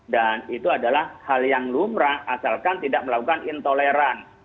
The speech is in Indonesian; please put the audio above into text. dan itu adalah hal yang lumrah asalkan tidak melakukan intoleran